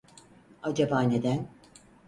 Acaba neden?